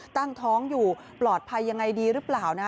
ตั้งท้องอยู่ปลอดภัยยังไงดีหรือเปล่านะ